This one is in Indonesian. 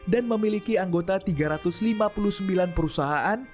dan memiliki anggota tiga ratus lima puluh sembilan perusahaan